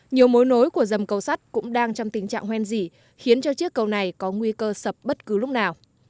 nhiều mối nối của dầm cầu sắt cũng đang trong tình trạng hoen dỉ khiến cho chiếc cầu này có nguy cơ sập bất cứ lúc nào